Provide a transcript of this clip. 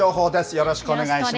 よろしくお願いします。